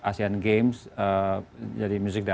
asian games jadi music dan